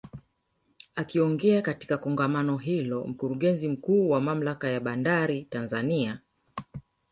Akiongea katika Kongamano hilo Mkurugenzi Mkuu wa Mamlaka ya Bandari Tanzania